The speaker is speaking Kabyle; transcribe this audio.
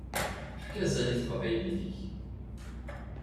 Efk azal i taqbaylit-ik.